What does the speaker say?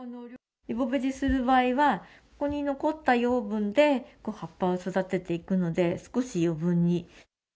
リボベジする場合は、ここに残った養分で葉っぱを育てていくので、少し余分に。